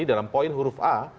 dalam poin huruf a